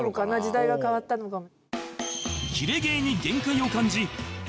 時代が変わったのかも。